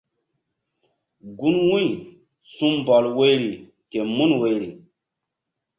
Gun wu̧y su̧ mbɔl woyri mun woyri.